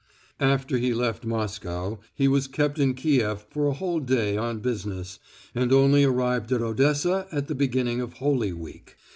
After he left Moscow he was kept in Kief for a whole day on business, and only arrived at Odessa at the beginning of Holy Week.